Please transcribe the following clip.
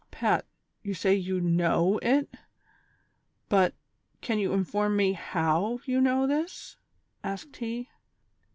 " Pat, you say you hnoio it ; but, can you inform me Jiow you know this V " asked he.